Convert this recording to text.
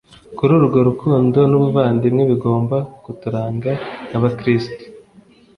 kuri urwo rukundo n’ubuvandimwe bigomba kuturanga nk’abakristu.